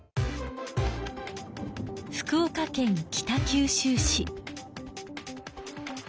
福岡県北九州市。